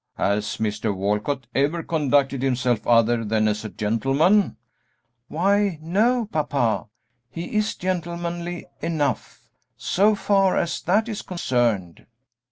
"Has Mr. Walcott ever conducted himself other than as a gentleman?" "Why, no, papa, he is gentlemanly enough, so far as that is concerned."